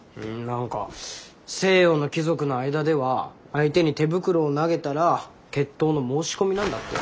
何か西洋の貴族の間では相手に手袋を投げたら決闘の申し込みなんだって。